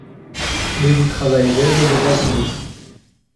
Mais vous travaillerez deux étages en–dessous.